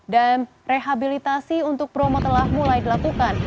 dan rehabilitasi untuk bromo telah mulai dilakukan